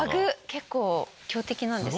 結構強敵なんですね。